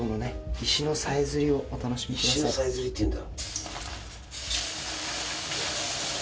石のさえずりっていうんだ。